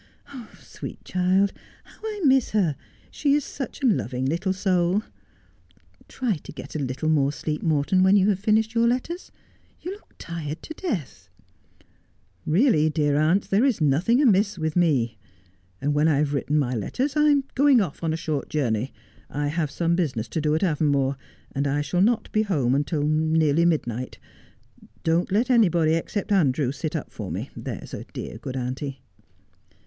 ' Sweet child ! How I miss her ! She is such a loving little soul. Try to get a little more sleep, Morton, when you have finished your letters. You look tired to death.' 1G6 Just as I Am. ' Eeally, dear aunt, there is nothing amiss with nie. And when I have written my letters I am going off on a short j ourney. I have some business to do at Avonmore, and I shall not he home till nearly midnight. Don't let anybody except Andrew sit up for me, that's a dear good auntie.'